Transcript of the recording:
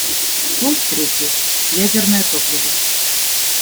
Пункт третий: ядерное топливо.